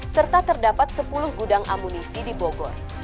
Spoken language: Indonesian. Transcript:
serta terdapat sepuluh gudang amunisi di bogor